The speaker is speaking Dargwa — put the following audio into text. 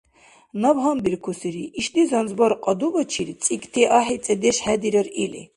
Наб гьанбиркусири ишди занзбар кьадубачир цӀикӀти ахӀи цӀедеш хӀедирар или.